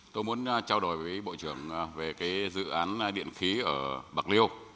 tôi muốn trao đổi với bộ trưởng về cái dự án điện khí ở bạc liêu